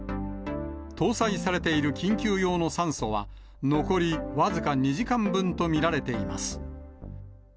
搭載されている緊急用の酸素は、残り僅か２時間分と見られています。